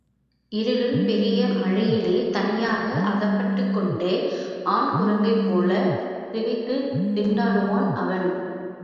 இருளில் பெரிய மழையிலே தனியாக அகப்பட்டுக் கொண்ட ஆண் குரங்கைப் போலத் திகைத்துத் திண்டாடுவான் அவன்.